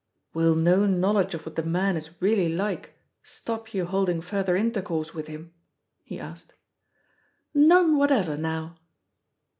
"Will no knowledge of what the man is really like, stop you holding further intercourse with him?" he asked. "None whatever, now!"